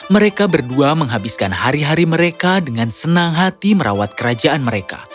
mereka berdua menghabiskan hari hari mereka dengan senang hati merawat kerajaan mereka